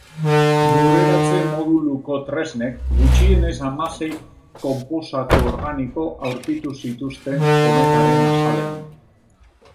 Lurreratze moduluko tresnek gutxienez hamasei konposatu organiko aurkitu zituzten kometaren azalean.